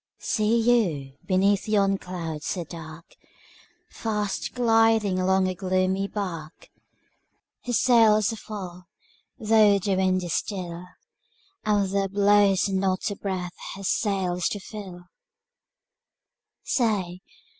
See you, beneath yon cloud so dark, Fast gliding along a gloomy bark? Her sails are full, though the wind is still, And there blows not a breath her sails to fill!